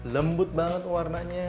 lembut banget warnanya